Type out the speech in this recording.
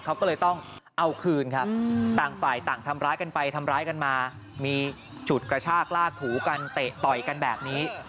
เขาก็เลยต้องเอาคืนครับต่างฝ่ายต่างทำร้ายกันไปทำร้ายกันมามีฉุดกระชากลากถูกันเตะต่อยกันแบบนี้